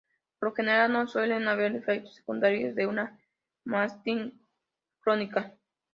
Por lo general no suelen haber efectos secundarios de una mastitis crónica.